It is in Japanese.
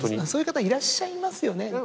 そういう方いらっしゃいますよね。